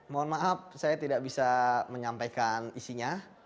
mohon maaf saya tidak bisa menyampaikan isinya